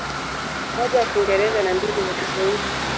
Moja ya Kiingereza na mbili za Kiswahili.